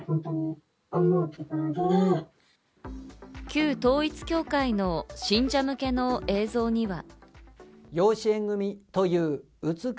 旧統一教会の信者向けの映像には。